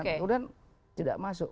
kemudian tidak masuk